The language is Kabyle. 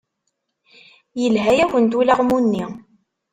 Yelha-yakent ulaɣmu-nni.